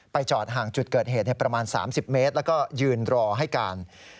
จอดห่างจุดเกิดเหตุประมาณ๓๐เมตรแล้วก็ยืนรอให้การ